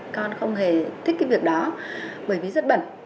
con không hề thích cái việc đó bởi vì rất bẩn